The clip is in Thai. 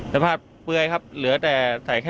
สรรพาสเหมือนไงครับ